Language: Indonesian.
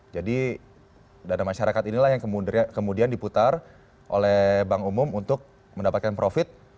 jadi dana masyarakat inilah yang kemudian diputar oleh bank umum untuk mendapatkan profit